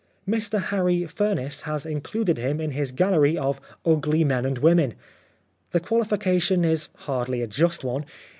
Mr Harry Furniss has included him in his gallery of " Ugly Men and Women." The qualification is hardly a just one.